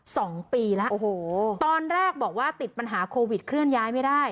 สองปีแล้วโอ้โหตอนแรกบอกว่าติดปัญหาโควิดเคลื่อนย้ายไม่ได้